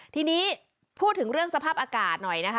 ทีนี้พูดถึงเรื่องสภาพอากาศหน่อยนะคะ